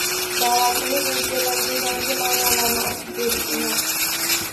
“Da’vat”imiz o‘zgalarga yangi ma’nolarni ochib berish emas